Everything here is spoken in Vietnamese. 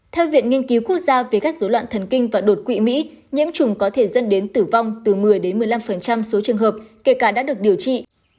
theo viện nghiên cứu quốc gia về các dối loạn thần kinh và đột quỵ mỹ nhiễm trùng có thể dẫn đến tử vong từ một mươi một mươi năm số trường hợp kể cả đã được điều trị